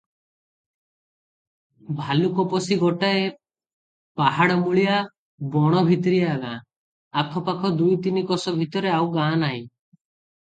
ଭାଲୁକପୋଷି ଗୋଟାଏ ପାହାଡ଼ମୂଳିଆ ବଣଭିତିରିଆ ଗାଁ, ଆଖପାଖ ଦୁଇ ତିନି କୋଶ ଭିତରେ ଆଉ ଗାଁ ନାହିଁ ।